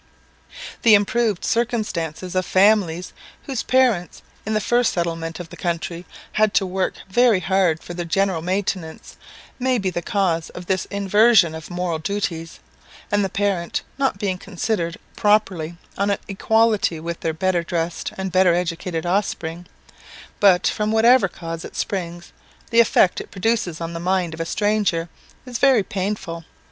The improved circumstances of families, whose parents, in the first settlement of the country, had to work very hard for their general maintenance, may be the cause of this inversion of moral duties, and the parents not being considered properly on an equality with their better dressed and better educated offspring; but from whatever cause it springs, the effect it produces on the mind of a stranger is very painful.